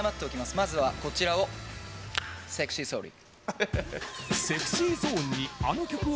まずは、こちらをセクシーソーリー。